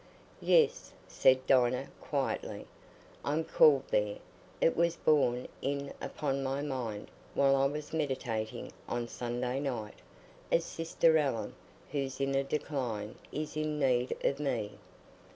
"Yes," said Dinah, quietly. "I'm called there. It was borne in upon my mind while I was meditating on Sunday night, as Sister Allen, who's in a decline, is in need of me.